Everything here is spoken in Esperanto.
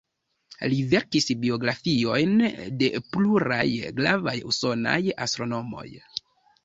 Li verkis biografiojn de pluraj gravaj usonaj astronomoj.